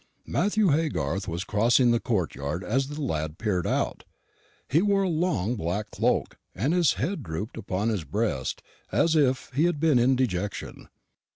Matthew Haygarth was crossing the courtyard as the lad peeped out. He wore a long black cloak, and his head drooped upon his breast as if he had been in dejection.